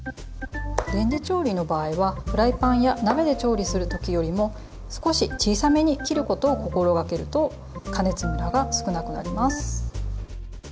レンジ調理の場合はフライパンや鍋で調理する時よりも少し小さめに切ることを心掛けると加熱ムラが少なくなります。